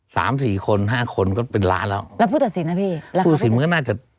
สามสี่คนห้าคนก็เป็นล้านแล้วแล้วผู้ตัดสินนะพี่แล้วผู้สินมันก็น่าจะ